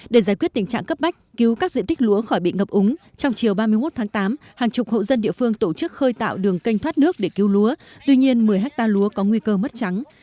để giải quyết tình trạng cấp bách cứu các diện tích lúa khỏi bị ngập úng trong chiều ba mươi một tháng tám hàng chục hộ dân địa phương tổ chức khơi tạo đường kênh thoát nước để cứu lúa tuy nhiên một mươi ha lúa có nguy cơ mất trắng